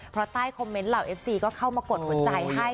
เพราะใต้คอมเมนต์เหล่าเอฟซีก็เข้ามากดหัวใจให้